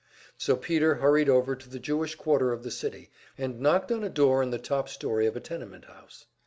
So Peter hurried over to the Jewish quarter of the city, and knocked on a door in the top story of a tenement house.